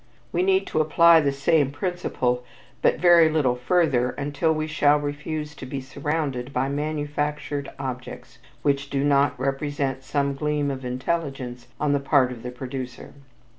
We need to apply the same principle but very little further until we shall refuse to be surrounded by manufactured objects which do not represent some gleam of intelligence on the part of the producer.